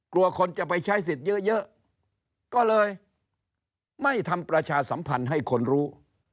กลัวคนจะไปใช้สิทธิ์เยอะก็เลยไม่ทำประชาสัมพันธ์ให้คนรู้